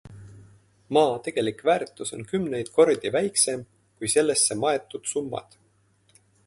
Maa tegelik väärtus on kümneid kordi väiksem kui sellesse maetud summad.